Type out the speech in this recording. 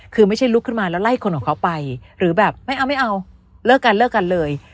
คือไม่ใช่ลุกขึ้นมาแล้วไล่คนของเขาไปหรือแบบไม่เอาไม่เอาเลิกกันเลิกกันเลย